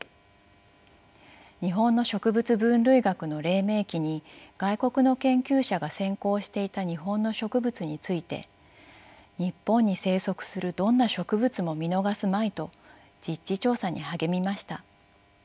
日本の植物分類学の黎明期に外国の研究者が先行していた日本の植物について日本に生息するどんな植物も見逃すまいと実地調査に励みました。